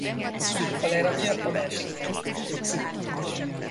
Ha lerakja a másik nyert.